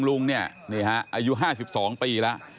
ว่าอายุ๕๒ปีละ